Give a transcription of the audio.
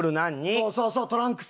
そうそうそうトランクス。